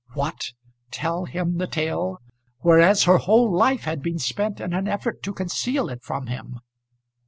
What; tell him the tale; whereas her whole life had been spent in an effort to conceal it from him?